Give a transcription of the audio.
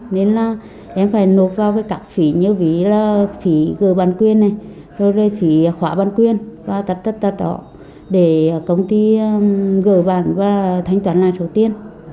nên là em phải nộp vào cái cặp phí như phí gửi bản quyền này rồi phí khóa bản quyền và tật tật tật đó để công ty gửi bản và thanh toán lại số tiền